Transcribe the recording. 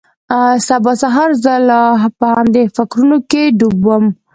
سبا سهار زه لا په همدې فکرونو کښې ډوب وم.